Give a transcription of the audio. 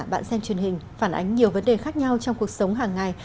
bạn xem truyền hình phản ánh nhiều vấn đề khác nhau trong cuộc sống hàng ngày